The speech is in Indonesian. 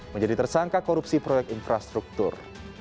menjadi tersangka korupsi proyek infrastruktur